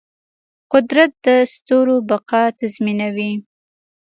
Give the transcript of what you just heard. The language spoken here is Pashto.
قدرت د ستورو بقا تضمینوي.